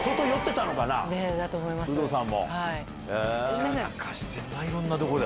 やらかしてるな、いろんなとこで。